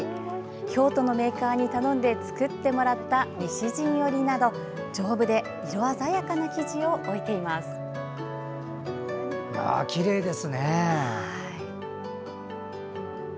京都のメーカーに頼んで作ってもらった西陣織など丈夫で色鮮やかな生地を置いています。